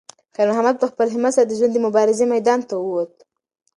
خیر محمد په خپل همت سره د ژوند د مبارزې میدان ته وووت.